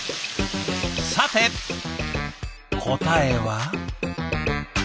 さて答えは？